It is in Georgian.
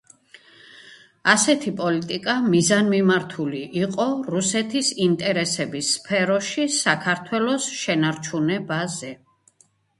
ასეთი პოლიტიკა მიზანმიმართული იყო რუსეთის ინტერესების სფეროში საქართველოს შენარჩუნებაზე.